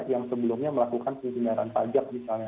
yang sebelumnya melakukan pendengaran pajak misalnya